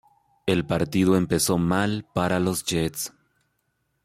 El partido empezó mal para los Jets.